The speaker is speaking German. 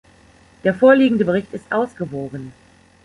Der vorliegende Bericht ist ausgewogen.